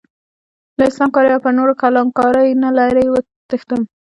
له اسلام کارۍ او پر نورو کلان کارۍ نه لرې تښتم.